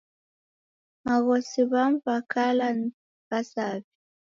Maghosi w'amu w'a kala ni wa'saw'i.